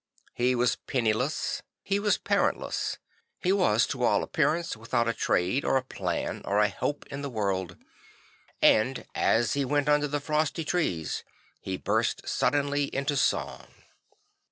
He was penniless, he was parentless, he was to all appear ance without a trade or a plan or a hope in the world; and as he went under the frosty trees, he burst suddenly into song.